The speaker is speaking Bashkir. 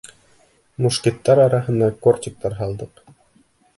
Мушкеттар араһына кортиктар һалдыҡ.